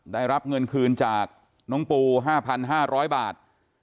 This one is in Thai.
ได้รับเงินคืนจากน้องปู๕๕๐๐บาท